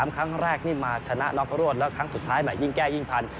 ครั้งแรกนี่มาชนะน็อกรวดแล้วครั้งสุดท้ายแห่ยิ่งแก้ยิ่งพัน